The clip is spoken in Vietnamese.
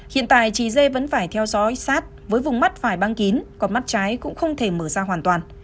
hiện tại chị dê vẫn phải theo dõi sát với vùng mắt phải băng kín có mắt trái cũng không thể mở ra hoàn toàn